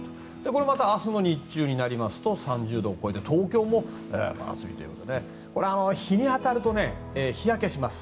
これまた明日の日中になりますと３０度を超えて東京も真夏日ということでこれは日に当たると日焼けします。